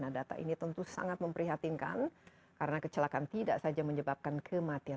nah data ini tentu sangat memprihatinkan karena kecelakaan tidak saja menyebabkan kematian